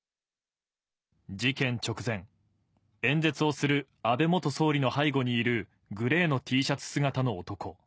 事件直前、演説をする安倍元総理の背後にいるグレーのＴシャツ姿の男。